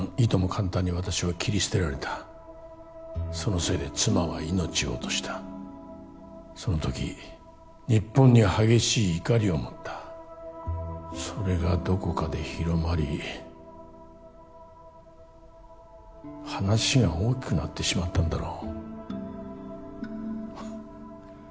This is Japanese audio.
簡単に私は切り捨てられたそのせいで妻は命を落としたその時日本に激しい怒りを持ったそれがどこかで広まり話が大きくなってしまったんだろうハッ